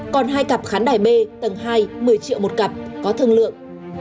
còn hai cặp khán đài b tầng hai một mươi triệu một cặp có thương lượng